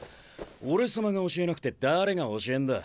俺様が教えなくて誰が教えんだ。